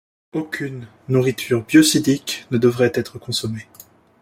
Aucune nourriture biocidique ne devrait être consommée.